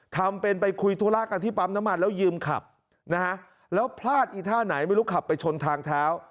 ทำเป็นไปคุยธุระกันที่ปั๊มน้ำมันแล้วยืมขับนะฮะแล้วพลาดอีท่าไหนไม่รู้ขับไปชนทางเท้า